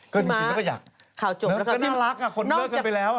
ก็จริงแล้วก็อยากน่ารักอ่ะคนเลิกกันไปแล้วอ่ะ